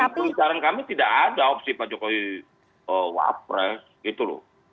tapi pembicaraan kami tidak ada opsi pak jokowi wapres gitu loh